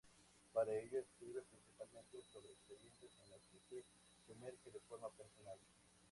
Para ello, escribe principalmente sobre experiencias en las que se sumerge de forma personal.